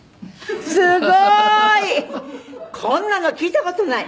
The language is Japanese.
すごい！こんなの聞いた事ない。